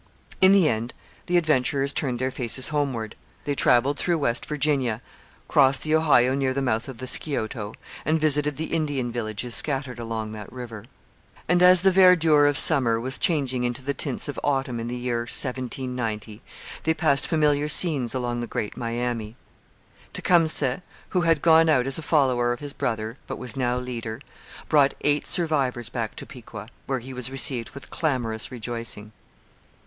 In the end the adventurers turned their faces homeward. They travelled through West Virginia, crossed the Ohio near the mouth of the Scioto, and visited the Indian villages scattered along that river. And as the verdure of summer was changing into the tints of autumn in the year 1790, they passed familiar scenes along the Great Miami. Tecumseh, who had gone out as a follower of his brother but was now leader, brought eight survivors back to Piqua, where he was received with clamorous rejoicing.